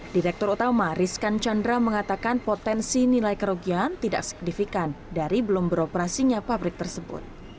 direktur utama rizkan chandra mengatakan potensi nilai kerugian tidak signifikan dari belum beroperasinya pabrik tersebut